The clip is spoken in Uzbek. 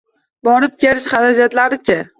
Borib-kelish xarajatlari-chi